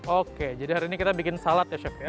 oke jadi hari ini kita bikin salad ya chef ya